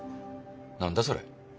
何だそれ？